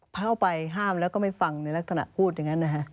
เข้าไปห้ามแล้วก็ไม่ฟังในลักษณะพูดอย่างนั้นนะฮะ